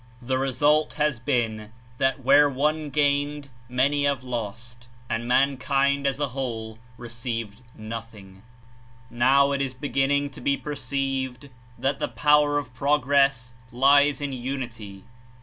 The result has The Age been that where one gained, many lost of and mankind as a whole received noth Unity jj^g^ Now it is beginning to be per ceived that the power of progress lies in unity.